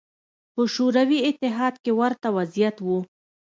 په شوروي اتحاد کې ورته وضعیت و